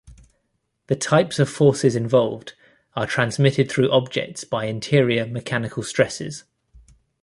The types of forces involved are transmitted through objects by interior mechanical stresses.